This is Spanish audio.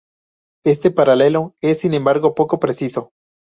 Este paralelo es, sin embargo, poco preciso.